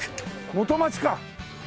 元町か！